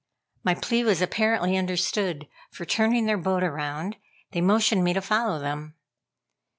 My plea was apparently understood, for turning their boat around, they motioned me to follow them.